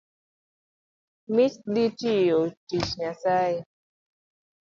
Mich dhi tiyo tich Nyasaye